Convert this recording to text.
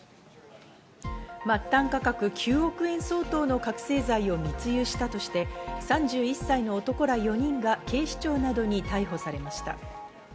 末端価格９億円相当の覚せい剤を密輸したとして、３１歳の男ら４人が警視庁などに逮捕されました。